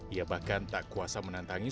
ia bahkan tak kuasa menantangi